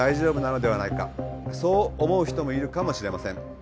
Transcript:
そう思う人もいるかもしれません。